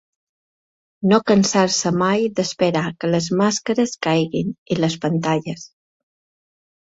No cansar-se mai d'esperar que les màscares caiguin, i les pantalles.